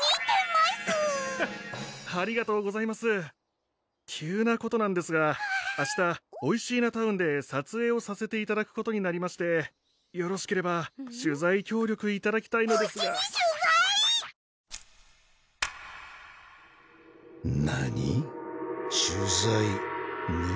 ありがとうございます急なことなんですが明日おいしーなタウンで撮影をさせていただくことになりましてよろしければ取材協力いただきたいのですがうちに取材⁉何？